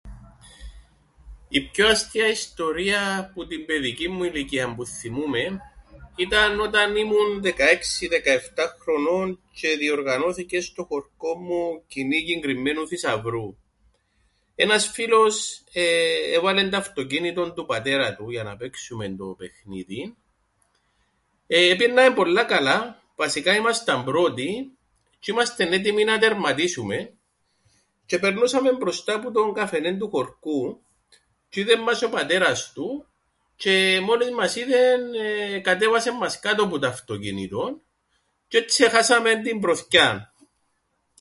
Η πιο αστεία ιστορία που την παιδικήν μου ηλικίαν που θθυμούμαι ήταν όταν ήμουν δεκαέξι δεκαεφτά χρονών τζ̆αι εδιοργανώθηκεν στο χωρκόν μου κυνήγιν κρυμμένου θυσαυρού. Ένας φίλος έβαλεν το αυτοκίνητον του πατέρα του για να παίξουμεν το παιχνίδιν εεε... επηαίνναμεν πολλά καλά, βασικά ήμασταν πρώτοι τζ̆αι ήμαστεν έτοιμοι να τερματίσουμεν τζ̆αι επερνούσαμεν μπροστά που τον καφενέν του χωρκού τζ̆αι είδεν μας ο πατέρας του τζ̆αι μόλις μας είδεν εκατέβασεν μας κάτω που το αυτοκίνητον τζ̆αι έτσι εχάσαμεν την πρωθκιάν.